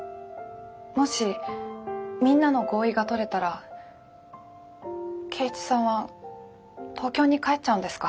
もしみんなの合意が取れたら圭一さんは東京に帰っちゃうんですか？